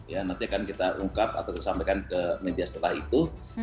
ya nanti akan kita ungkap atau disampaikan ke media setelah itu